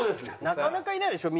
なかなかいないでしょ？